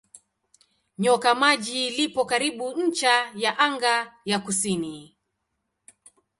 Nyoka Maji lipo karibu ncha ya anga ya kusini.